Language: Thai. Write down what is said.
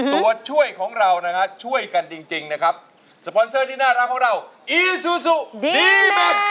ตัวช่วยของเรานะฮะช่วยกันจริงนะครับสปอนเซอร์ที่น่ารักของเราอีซูซูดีแม็กซ์